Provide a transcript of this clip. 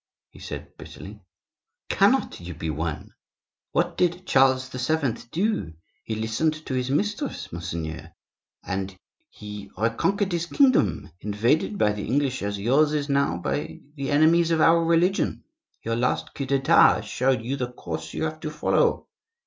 he said bitterly. "Cannot you be one? What did Charles VII. do? He listened to his mistress, monseigneur, and he reconquered his kingdom, invaded by the English as yours is now by the enemies of our religion. Your last coup d'Etat showed you the course you have to follow.